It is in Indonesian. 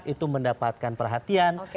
itu mendapatkan perhatian